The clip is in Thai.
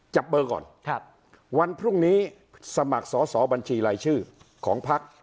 จับเบอร์ก่อนครับวันพรุ่งนี้สมัครสอสอบัญชีรายชื่อของพัก